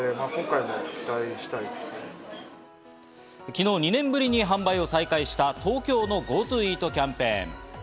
昨日、２年ぶりに販売を再開した東京のＧｏＴｏＥａｔキャンペーン。